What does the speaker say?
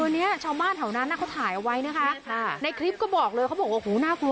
มีประชาชนในพื้นที่เขาถ่ายคลิปเอาไว้ได้ค่ะ